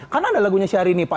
karena ada lagunya syahrini pak